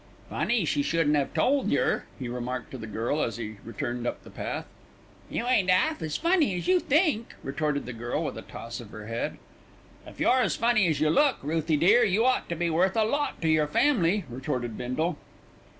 "Funny she shouldn't 'ave told yer," he remarked to the girl as he returned up the path. "You ain't 'alf as funny as you think," retorted the girl with a toss of her head. "If you're as funny as you look, Ruthie dear, you ought to be worth a lot to yer family," retorted Bindle.